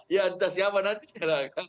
ya entah siapa nantinya